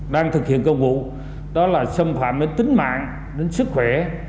đang thực hiện công vụ đó là xâm phạm đến tính mạng đến sức khỏe